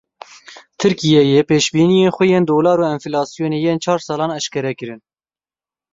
Tirkiyeyê pêşbîniyên xwe yên dolar û enfilasyonê yên çar salan eşkere kirin.